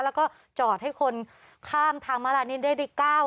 แล้วก็จอดให้คนข้ามทางมาลัยนี้ได้ได้ก้าว